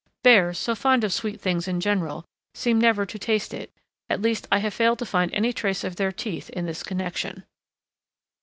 Bears, so fond of sweet things in general, seem never to taste it; at least I have failed to find any trace of their teeth in this connection.